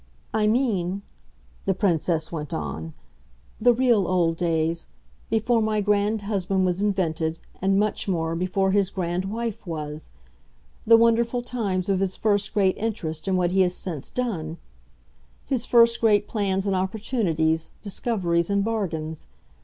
I mean," the Princess went on, "the real old days; before my grand husband was invented and, much more, before his grand wife was: the wonderful times of his first great interest in what he has since done, his first great plans and opportunities, discoveries and bargains.